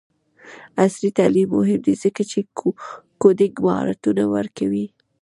عصري تعلیم مهم دی ځکه چې کوډینګ مهارتونه ورکوي.